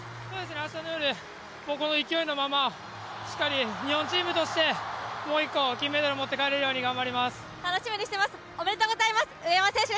明日の夜、この勢いのまましっかり、日本チームとしてもう１個、金メダル持って帰れるように頑張ります。